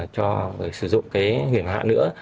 cho người sử dụng cái huyền hạ nữa